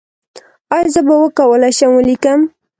ایا زه به وکولی شم ولیکم؟